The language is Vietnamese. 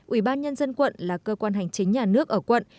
ủy ban nhân dân quận là cơ quan hành chính nhà nước ở quận